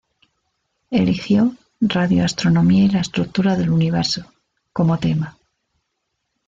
Eligió "Radioastronomía y la estructura del Universo" como tema.